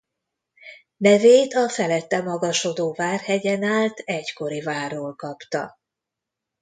Nevét a felette magasodó Várhegyen állt egykori várról kapta.